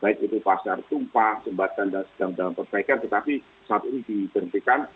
baik itu pasar tumpah jembatan dan sedang dalam perbaikan tetapi saat ini diberhentikan